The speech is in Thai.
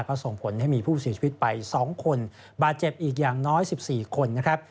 ก็ส่งผลให้มีผู้เสียชีวิตไป๒คนบาดเจ็บอีกอย่างน้อย๑๔คนนะครับ